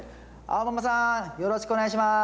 あおママさんよろしくお願いします！